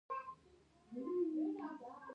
نوي توکي په نویو پیسو بدلېږي